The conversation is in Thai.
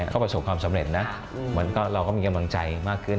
ก็ประสบความสำเร็จนะเราก็มีกำลังใจมากขึ้น